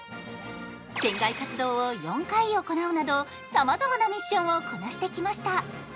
船外活動を４回行うなど、さまざまなミッションをこなしてきました。